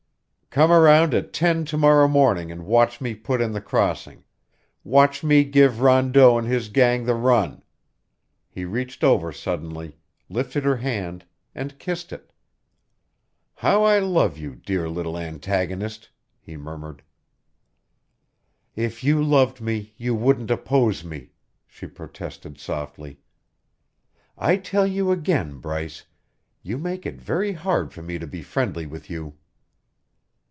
"Come around at ten to morrow morning and watch me put in the crossing watch me give Rondeau and his gang the run." He reached over suddenly, lifted her hand, and kissed it. "How I love you, dear little antagonist!" he murmured. "If you loved me, you wouldn't oppose me," she protested softly. "I tell you again, Bryce, you make it very hard for me to be friendly with you."